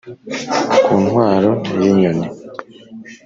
ku ntwaro y'inyoni,